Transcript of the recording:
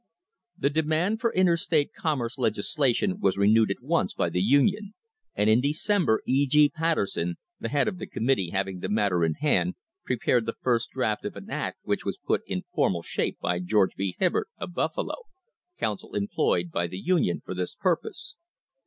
The demand for interstate commerce legislation was re newed at once by the Union, and in December E. G. Patter son, the head of the committee having the matter in hand, pre pared the first draft of an act which was put in formal shap< by George B. Hibbard, of Buffalo, counsel employed by thi Union for this purpose.